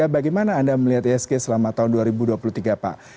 bagaimana anda melihat isg selama tahun dua ribu dua puluh tiga pak